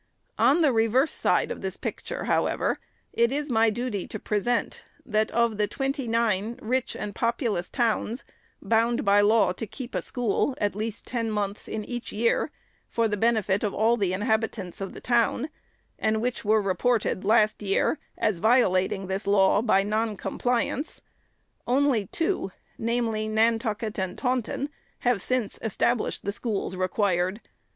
On the reverse side of this picture, however, it is my duty to present, that of the twenty nine rich and popu lous towns, bound by law to keep a school, at least ten months in each year, " for the benefit of all the inhabit ants of the town," and which were reported, last year, as violating this law, by non compliance, only two, viz. Nantucket and Taunton, have since established the schools required.